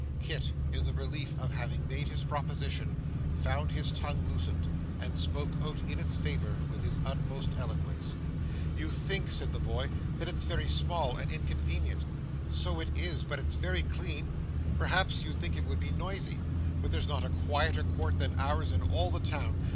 Kit, in the relief of having made his proposition, found his tongue loosened, and spoke out in its favour with his utmost eloquence. 'You think,' said the boy, 'that it's very small and inconvenient. So it is, but it's very clean. Perhaps you think it would be noisy, but there's not a quieter court than ours in all the town.